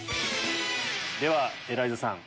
ではエライザさん